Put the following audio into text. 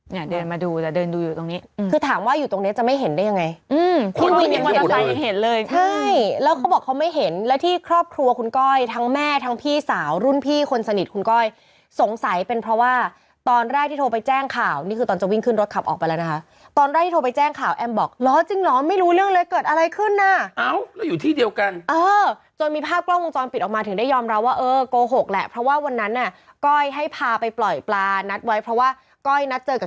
เนี่ยเดินมาดูแล้วเดินดูอยู่ตรงนี้คือถามว่าอยู่ตรงนี้จะไม่เห็นได้ยังไงพี่วิ่งยังเห็นเลยใช่แล้วเขาบอกเขาไม่เห็นแล้วที่ครอบครัวคุณก้อยทั้งแม่ทั้งพี่สาวรุ่นพี่คนสนิทคุณก้อยสงสัยเป็นเพราะว่าตอนแรกที่โทรไปแจ้งข่าวนี่คือตอนจะวิ่งขึ้นรถขับออกไปแล้วนะคะตอนแรกที่โทรไปแจ้งข่าวแอมบอกเหรอจร